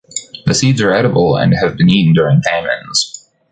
The seeds are edible and have been eaten during famines.